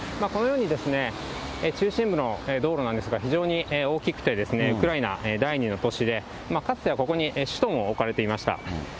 このように中心部の道路なんですが、非常に大きくて、ウクライナ第２の都市で、かつてはここに首都も置かれていました。